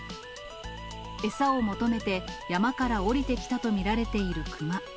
餌を求めて、山から下りてきたと見られているクマ。